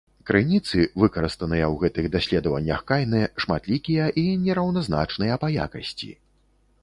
Крыніцы, выкарыстаныя ў гэтых даследаваннях кайнэ, шматлікія і нераўназначныя па якасці.